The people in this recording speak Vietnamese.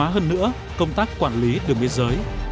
và thể chế hóa hơn nữa công tác quản lý đường biên giới